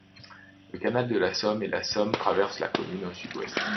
Le canal de la Somme et la Somme traversent la commune au sud-ouest.